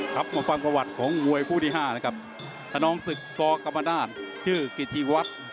ครับมาฟังประวัติของมวยคู่ที่ห้านะครับขนองศึกกกรรมนาศชื่อกิธิวัฒน์